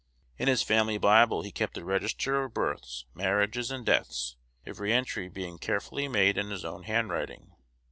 In his family Bible he kept a register of births, marriages, and deaths, every entry being carefully made in his own handwriting.